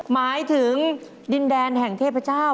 หมายถึงดินแดนแห่งเทพเจ้า